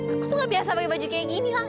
aku tuh gak biasa pake baju kayak gini lang